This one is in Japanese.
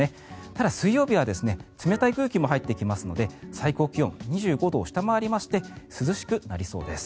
ただ、水曜日は冷たい空気も入ってきますので最高気温２５度を下回りまして涼しくなりそうです。